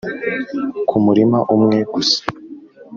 kumurima umwe gusa